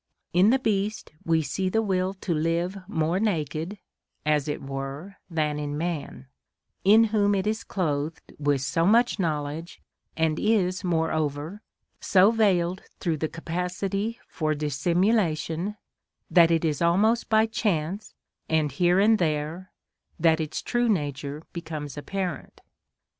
In the beast we see the will to live more naked, as it were, than in the man, in whom it is clothed with so much knowledge, and is, moreover, so veiled through the capacity for dissimulation, that it is almost only by chance, and here and there, that its true nature becomes apparent.